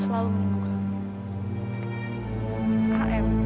selalu menunggu kamu